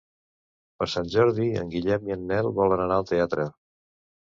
Per Sant Jordi en Guillem i en Nel volen anar al teatre.